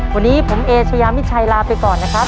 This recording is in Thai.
วันนี้ผมเอเชยามิชัยลาไปก่อนนะครับ